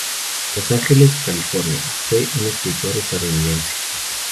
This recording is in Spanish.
Los Ángeles, California, fue un escritor estadounidense.